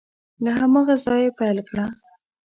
له هماغه ځایه یې پیل کړه